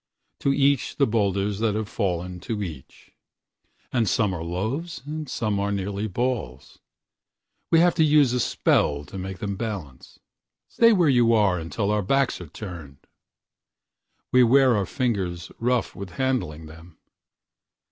To each the boulders that have fallen to each. And some are loaves and some so nearly ballsWe have to use a spell to make them balance:"Stay where you are until our backs are turned!"We wear our fingers rough with handling them.